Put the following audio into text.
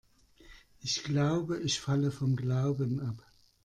Ich glaube, ich falle vom Glauben ab.